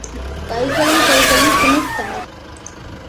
கைகளும் கைகளும் பிணைத்தனர்.